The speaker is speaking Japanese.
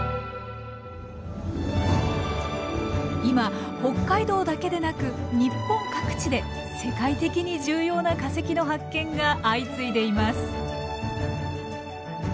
今北海道だけでなく日本各地で世界的に重要な化石の発見が相次いでいます。